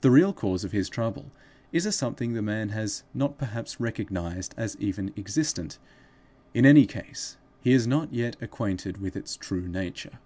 The real cause of his trouble is a something the man has not perhaps recognized as even existent; in any case he is not yet acquainted with its true nature.